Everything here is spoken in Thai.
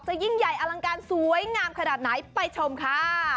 ยิ่งใหญ่อลังการสวยงามขนาดไหนไปชมค่ะ